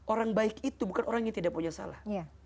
orang baik itu bukan orang yang tidak punya salah